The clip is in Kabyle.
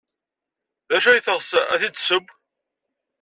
D acu ay teɣs ad t-id-tesseww?